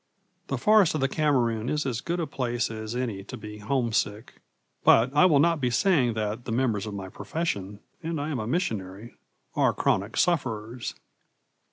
The forest of the Cameroon is as good a place as any to be homesick; but I will not be saying that the members of my profession and I am a missionary are chronic sufferers.